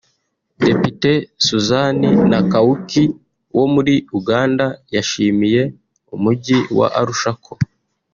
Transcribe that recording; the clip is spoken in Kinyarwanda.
Depite Susan Nakawuki wo muri Uganda yashimiye umugi wa Arusha ko